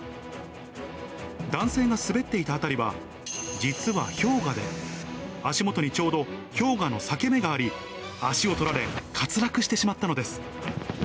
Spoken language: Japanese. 男性が滑っていた辺りは実は氷河で、足元にちょうど氷河の裂け目があり、足を取られ、滑落してしまったのです。